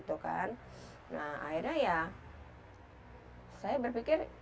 akhirnya saya berpikir